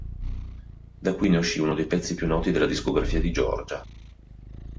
Da qui, ne uscì uno dei pezzi più noti della discografia di Giorgia.